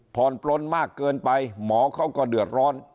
ปลนมากเกินไปหมอเขาก็เดือดร้อน